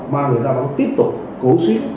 mà người ta vẫn tiếp tục cố xếp